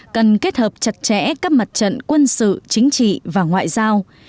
cần kết hợp chặt chẽ các mặt trận quân sự chính trị và ngoại giao